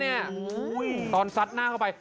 นี่ตอนสัดหน้าเข้าไป